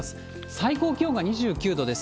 最高気温が２９度です。